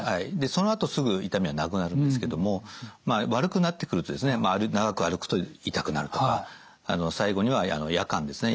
そのあとすぐ痛みはなくなるんですけども悪くなってくるとですね長く歩くと痛くなるとか最後には夜間ですね